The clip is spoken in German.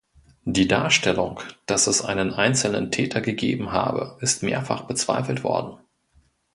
Die Darstellung, dass es einen einzelnen Täter gegeben habe, ist mehrfach bezweifelt worden.